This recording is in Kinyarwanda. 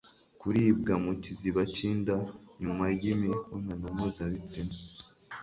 Kuribwa mu kiziba cy'inda nyuma y'imibonano mpuzabitsina